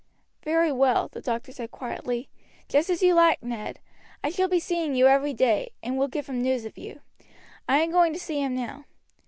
"Very well," the doctor said quietly, "just as you like, Ned. I shall be seeing you every day, and will give him news of you. I am going to see him now."